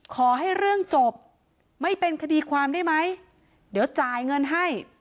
ขอให้เรื่องจบไม่เป็นคดีความได้ไหมเดี๋ยวจ่ายเงินให้